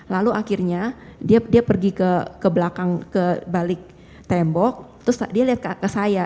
lalu akhirnya dia pergi ke belakang ke balik tembok terus dia lihat ke saya